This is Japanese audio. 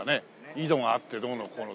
井戸があってどうのこうのとかね。